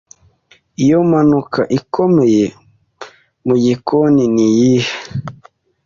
Iyo mpanuka ikomeye mu gikoni niyihe?